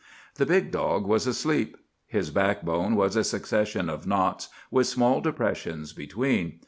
The big dog was asleep. His back bone was a succession of knots, with small depressions between.